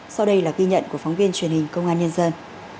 sau đây là ghi nhận của phóng viên truyền hình công an nhân dân